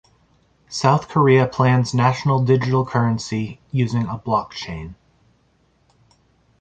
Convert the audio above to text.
South Korea plans national digital currency using a Blockchain.